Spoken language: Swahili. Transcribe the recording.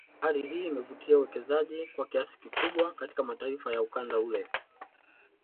Pia bahari hii imevutia uwekezaji kwa kiasi kikubwa katika mataifa ya ukanda ule